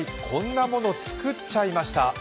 こんなのつくっちゃいました」。